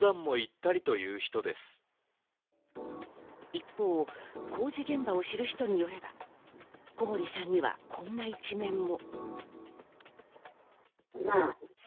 一方、工事現場を知る人によれば、小森さんにはこんな一面も。